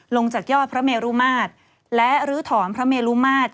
จากยอดพระเมรุมาตรและลื้อถอนพระเมลุมาตร